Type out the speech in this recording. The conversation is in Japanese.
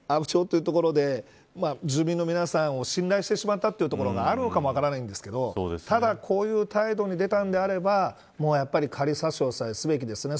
ただ、住民の皆さんを信頼してしまったというところがあるのかもしれませんがただ、こういう態度に出たのであれば仮差し押さえするべきですね。